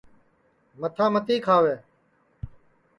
متھا متی کھاوے